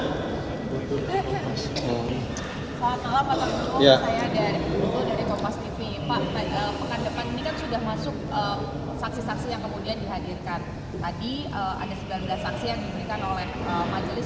sudah masuk saksi saksi yang kemudian dihadirkan tadi ada sembilan belas saksi yang diberikan oleh majelis